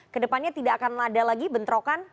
ke depannya tidak akan ada lagi bentrokan